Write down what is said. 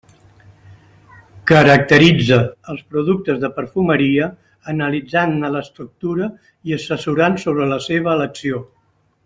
Caracteritza els productes de perfumeria analitzant-ne l'estructura i assessorant sobre la seva elecció.